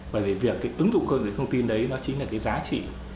vì việc ứng dụng công nghệ thông tin đó chính là giá trị